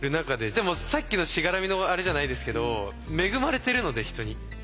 でもさっきのしがらみのあれじゃないですけど恵まれてるので人に。